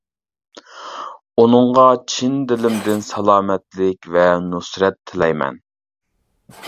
ئۇنىڭغا چىن دىلىمدىن سالامەتلىك ۋە نۇسرەت تىلەيمەن.